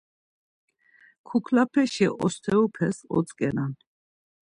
Kuklapeşi osterupes otzǩenan.